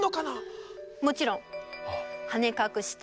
もちろん。